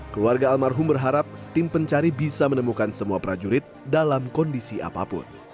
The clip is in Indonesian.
keluarga almarhum berharap tim pencari bisa menemukan semua prajurit dalam kondisi apapun